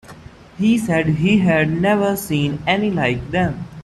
He said he had never seen any like them.